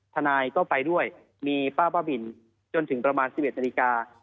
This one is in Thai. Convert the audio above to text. ทนายก็ไปด้วยมีป้าบ้าบินจนถึงประมาณ๑๑นาฬิกา